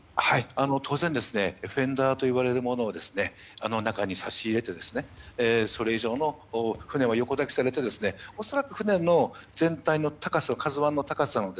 当然、フェンダーと呼ばれるものを中に差し入れて、船を横抱きして恐らく船の全体の高さ「ＫＡＺＵ１」の高さの